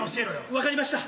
分かりました。